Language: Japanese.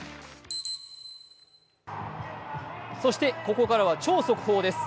ここからは超速報です。